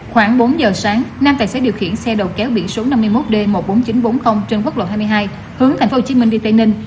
khoảng bốn giờ sáng nam tài xế điều khiển xe đầu kéo biển số năm mươi một d một mươi bốn nghìn chín trăm bốn mươi trên quốc lộ hai mươi hai hướng tp hcm đi tây ninh